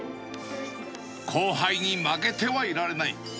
後輩に負けてはいられない。